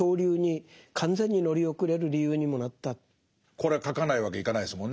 これは書かないわけにいかないですもんね。